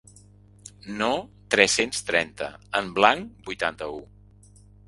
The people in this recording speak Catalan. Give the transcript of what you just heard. No tres-cents trenta En blanc vuitanta-u.